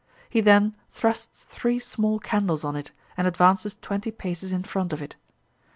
He then thrusts three small candles on it, and advances twenty paces in front of it.